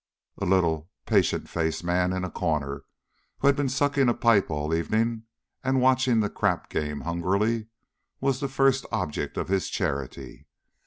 A little, patient faced man in a corner, who had been sucking a pipe all evening and watching the crap game hungrily, was the first object of his charity.